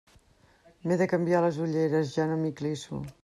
M'he de canviar les ulleres, ja no m'hi clisso.